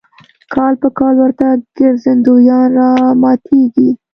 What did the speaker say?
کال په کال ورته ګرځندویان راماتېږي.